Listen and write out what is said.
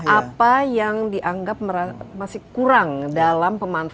apa yang dianggap masih kurang dalam perusahaan ini